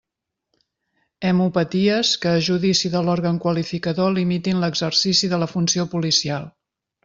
Hemopaties que a judici de l'òrgan qualificador limitin l'exercici de la funció policial.